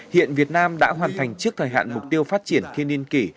hiện việt nam đã hoàn thành trước thời hạn mục tiêu phát triển thiên niên kỷ